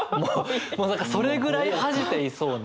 もう何かそれぐらい恥じていそうな。